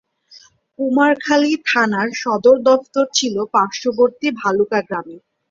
কুমারখালী থানার সদর দফতর ছিল পার্শ্ববর্তী ভালুকা গ্রামে।